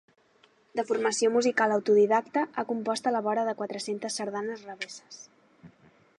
De formació musical autodidacta, ha compost a la vora de quatre-centes sardanes revesses.